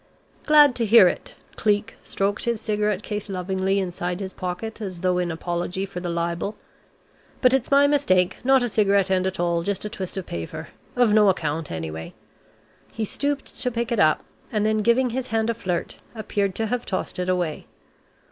"Glad to hear it." Cleek stroked his cigarette case lovingly inside his pocket as though in apology for the libel. "But it's my mistake; not a cigarette end at all, just a twist of paper. Of no account anyway." He stooped to pick it up, and then giving his hand a flirt, appeared to have tossed it away.